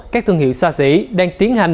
các thương hiệu xa xỉ đang tiến hành